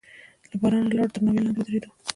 له بارانه لاړو، تر ناوې لاندې ودرېدو.